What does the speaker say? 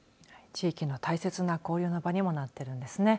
地域の大切な交流の場にもなっているんですね。